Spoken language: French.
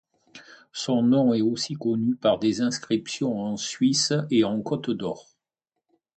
Son nom est aussi connu par des inscriptions en Suisse et en Côte-d'Or.